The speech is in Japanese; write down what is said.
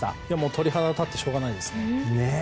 鳥肌が立ってしょうがないです。